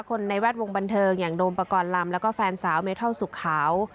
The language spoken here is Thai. ในแวดวงบันเทิงอย่างโดมปกรณ์ลำแล้วก็แฟนสาวเมทัลสุขขาว